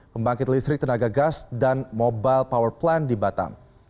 pembangkit listrik tenaga gas dan mobile power plant di batam